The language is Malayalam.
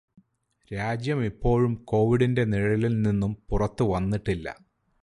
രാജ്യം ഇപ്പോഴും കോവിഡിന്റെ നിഴലിൽ നിന്നും പുറത്തുവന്നിട്ടില്ല.